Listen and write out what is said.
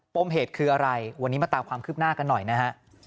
มเหตุคืออะไรวันนี้มาตามความคืบหน้ากันหน่อยนะฮะ